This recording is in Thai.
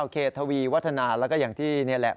ทวีวัฒนาแล้วก็อย่างที่นี่แหละ